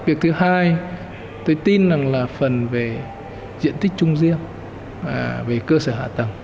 việc thứ hai tôi tin rằng là phần về diện tích chung riêng về cơ sở hạ tầng